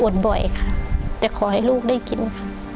บ่อยค่ะแต่ขอให้ลูกได้กินค่ะ